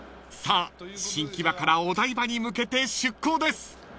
［さあ新木場からお台場に向けて出航です］